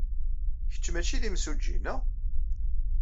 Kečč maci d imsujji, neɣ?